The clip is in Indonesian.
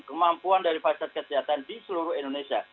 kemampuan dari fasilitas kesehatan di seluruh indonesia